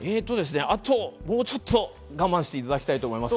もうちょっと我慢していただきたいと思います。